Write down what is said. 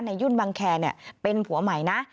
ยุ่นบังแคร์เป็นผัวใหม่นะ